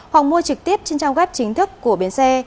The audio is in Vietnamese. hoặc mua trực tiếp trên trang web chính thức của biến xe